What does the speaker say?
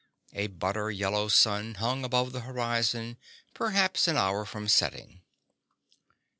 A butter yellow sun hung above the horizon, perhaps an hour from setting.